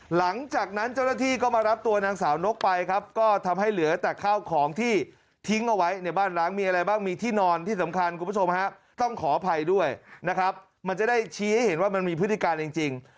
หลังจากนั้นเจ้าหน้าที่ก็มารับตัวนางสาวนกไปครับก็ทำให้เหลือแต่ข้าวของที่ทิ้งเอาไว้ในบ้านล้างมีอะไรบ้างมีที่นอนที่สำคัญคุณผู้ชมฮะต้องขออภัยด้วยนะครับมันจะได้ชี้ให้เห็นว่ามันมีพฤติการจริง